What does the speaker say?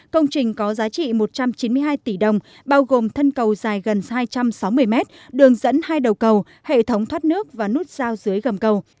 công trình có giá trị một trăm chín mươi hai tỷ đồng bao gồm thân cầu dài gần hai trăm sáu mươi mét đường dẫn hai đầu cầu hệ thống thoát nước và nút giao dưới gầm cầu